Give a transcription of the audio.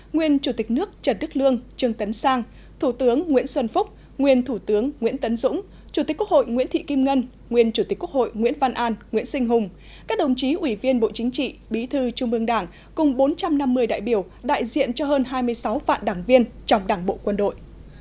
nguyễn chủ tịch quốc hội nguyễn văn an nguyễn sinh hùng các đồng chí ủy viên bộ chính trị bí thư trung mương đảng cùng bốn trăm năm mươi đại biểu đại diện cho hơn hai mươi sáu vạn đảng viên trong đảng bộ quân đội